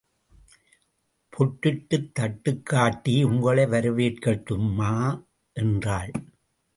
பொட்டிட்டுத் தட்டுக்காட்டி உங்களை வரவேற்கட்டும்மா? என்றாள்.